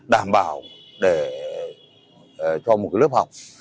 đảm bảo để cho một lớp học